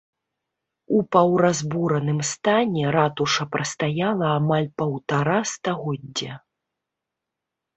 У паўразбураным стане ратуша прастаяла амаль паўтара стагоддзя.